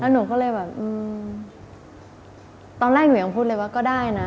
หนูก็เลยแบบตอนแรกหนูยังพูดเลยว่าก็ได้นะ